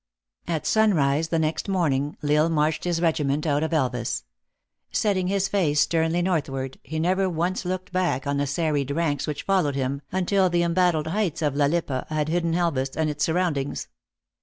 At sunrise, the next morning, L Isle marched his regiment out of Elvas. Setting his face sternly north ward, he never once looked back on the serried ranks THE ACTRESS IN HIGH LIFE. 405 which followed him, until the embattled heights of La Lippe had hidden Elvas and its surroundings.